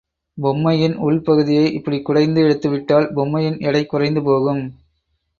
பொம்மையின் உள் பகுதியை இப்படிக் குடைந்து எடுத்துவிட்டால் பொம்மையின் எடை குறைந்து போகும்.